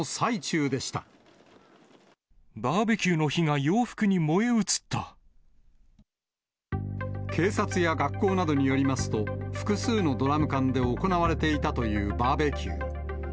バーベキューの火が洋服に燃警察や学校などによりますと、複数のドラム缶で行われていたというバーベキュー。